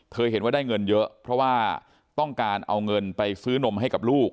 เห็นว่าได้เงินเยอะเพราะว่าต้องการเอาเงินไปซื้อนมให้กับลูก